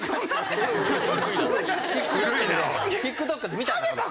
ＴｉｋＴｏｋでね